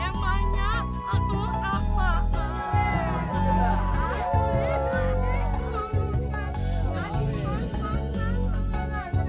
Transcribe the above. aduh aduh aduh aduh aduh